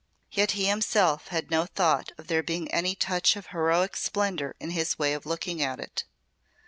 Yet he himself had no thought of there being any touch of heroic splendour in his way of looking at it.